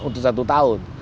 untuk satu tahun